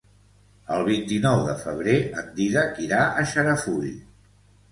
El vint-i-nou de febrer en Dídac irà a Xarafull.